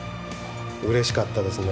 うれしかったですね